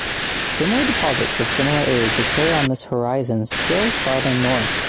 Similar deposits of similar age occur on this horizon still farther north.